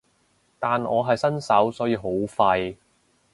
但我係新手所以好廢